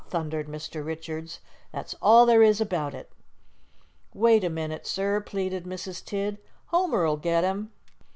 thundered Mr. Richards. "That's all there is about it." "Wait a minute, sir," pleaded Mrs. Tidd. "Homer'll get him."